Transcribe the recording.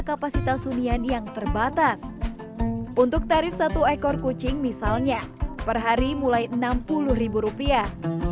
kapasitas hunian yang terbatas untuk tarif satu ekor kucing misalnya perhari mulai enam puluh rupiah